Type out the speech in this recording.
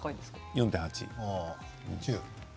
４．８。